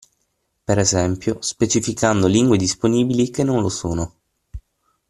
Per esempio, specificando lingue disponibili che non lo sono.